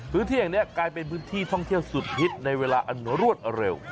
พื้นที่อย่างนี้กลายเป็นพื้นที่ท่องเที่ยวสุดฮิตในเวลาอันรวดเร็ว